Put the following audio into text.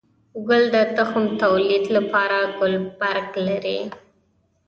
گل د تخم توليد لپاره ګلبرګ لري